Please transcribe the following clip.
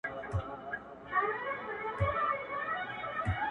پر سر وا مي ړوه یو مي سه تر سونډو,